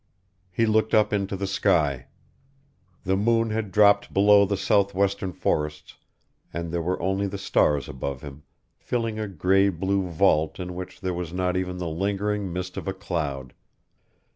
He looked up into the sky. The moon had dropped below the southwestern forests, and there were only the stars above him, filling a gray blue vault in which there was not even the lingering mist of a cloud.